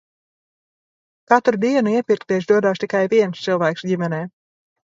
Katru dienu iepirkties dodas tikai viens cilvēks ģimenē.